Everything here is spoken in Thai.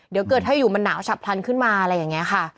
เดี๋ยวเกิดถ้าอยู่มันหนาวฉับพลันขึ้นมาอะไรอย่างนี้ค่ะ